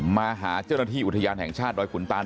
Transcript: มาหาเจ้าหน้าที่อุทยานแห่งชาติดอยขุนตาน